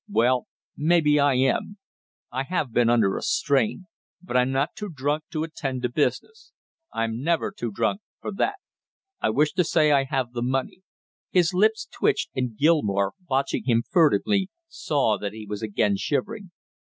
"Well, maybe I am, I have been under a strain. But I'm not too drunk to attend to business; I am never too drunk for that. I wish to say I have the money " His lips twitched, and Gilmore, watching him furtively, saw that he was again shivering.